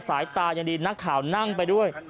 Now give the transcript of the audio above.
สายตายังดีนักข่าวนั่งไปด้วย